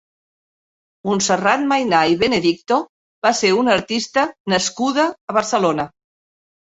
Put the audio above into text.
Montserrat Mainar i Benedicto va ser una artista nascuda a Barcelona.